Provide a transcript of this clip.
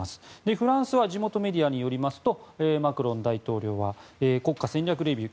フランスは地元メディアによりますとマクロン大統領は国家戦略レビュー